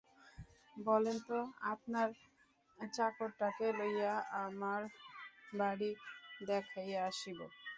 বলেন তো আপনার চাকরটাকে লইয়া আমার বাড়ি দেখাইয়া আসিব।